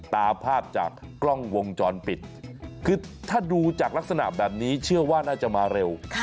ตามภาพจากกล้องวงจรปิดคือถ้าดูจากลักษณะแบบนี้เชื่อว่าน่าจะมาเร็ว